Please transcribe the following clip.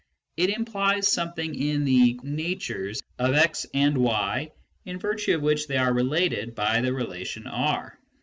it implies something in the " natures " of x and y in virtue of which they are related by the relation R.